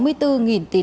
một mươi sáu doanh nghiệp